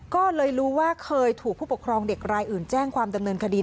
ก็เลยรู้ว่าเคยถูกผู้ปกครองเด็กรายอื่นแจ้งความดำเนินคดี